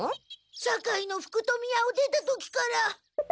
堺の福富屋を出た時から。